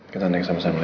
kita naik sama sama ya